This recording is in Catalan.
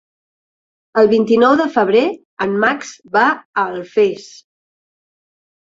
El vint-i-nou de febrer en Max va a Alfés.